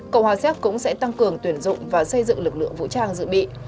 cộng hòa séc cũng sẽ tăng cường tuyển dụng và xây dựng lực lượng vũ trang dự bị